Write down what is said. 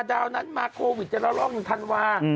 ดาวนั้นมาโควิดจะเล่าร่องถันวา